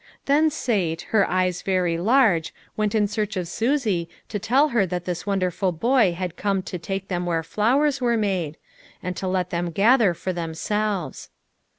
^Then Sate, her eyes very large, went in search of Susie to tell her that this wonderful boy. had come to take them where flowers were made, and to let them gather for themselves.